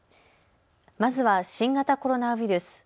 まずは新型コロナウイルス。